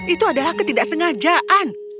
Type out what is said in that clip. itu adalah ketidaksengajaan